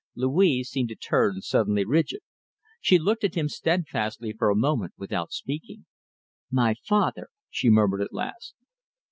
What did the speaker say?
Louise seemed to turn suddenly rigid. She looked at him steadfastly for a moment without speaking. "My father," she murmured at last.